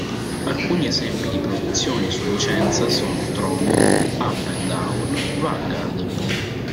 Alcuni esempi di produzioni su licenza sono "Tron", "Up'n Down", "Vanguard".